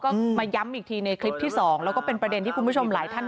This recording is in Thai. ก็มาย้ำอีกทีในคลิปที่สองแล้วก็เป็นประเด็นที่คุณผู้ชมหลายท่าน